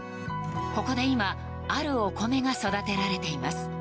ここで今、あるお米が育てられています。